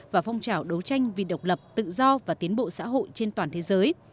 và phong trào đấu tranh vì độc lập tự do và tiến bộ xã hội trên toàn thế giới